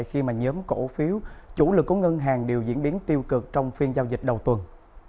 khi mà nhóm cổ phiếu chủ lực của ngân hàng đều diễn biến tiêu cực trong phiên giao dịch đầu tuần